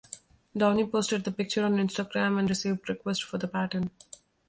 Downey posted the picture on Instagram and received requests for the pattern.